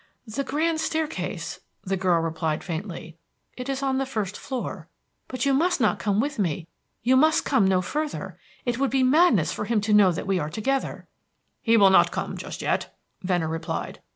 "The Grand Staircase," the girl replied faintly. "It is on the first floor. But you must not come with me, you must come no further. It would be madness for him to know that we are together." "He will not come just yet," Venner replied.